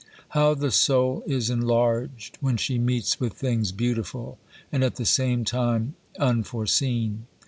How the soul is enlarged when she meets with things beautiful and at the same time unforeseen